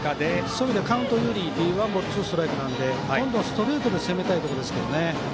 そういう意味ではカウント有利のワンボールツーストライクなのでどんどんストレートで攻めたいところですけどね。